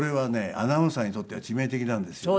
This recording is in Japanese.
アナウンサーにとっては致命的なんですよね。